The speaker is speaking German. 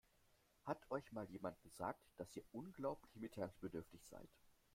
Hat euch mal jemand gesagt, dass ihr unglaublich mitteilungsbedürftig seid?